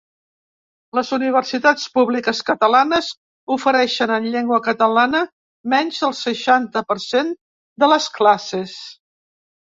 Les universitats públiques catalanes ofereixen en llengua catalana menys del seixanta per cent de les classes.